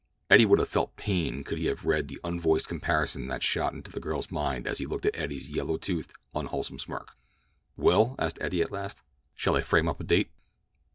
Eddie would have felt pained could he have read the unvoiced comparison that shot into the girl's mind as she looked at Eddie's yellow toothed, unwholesome smirk. "Well?" asked Eddie at last. "Shall I frame up a date?"